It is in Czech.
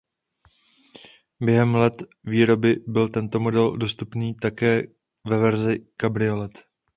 Během let výroby byl tento model dostupný také i ve verzi "kabriolet".